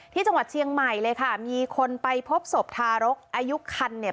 ที่จังหวัดเชียงใหม่เลยค่ะมีคนไปพบศพทารกอายุคันเนี่ย